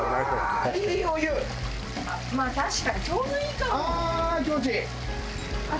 まあ確かにちょうどいいかも。